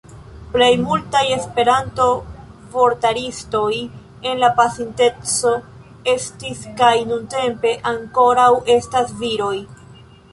Plej multaj Esperanto-vortaristoj en la pasinteco estis kaj nuntempe ankoraŭ estas viroj.